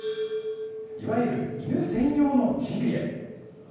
いわゆる犬専用のジビエ。